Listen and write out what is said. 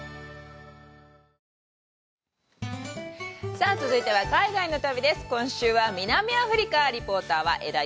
さあ続いては海外の旅です。